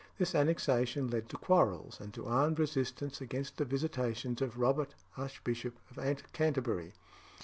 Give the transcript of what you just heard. This annexation led to quarrels, and to armed resistance against the visitations of Robert Archbishop of Canterbury.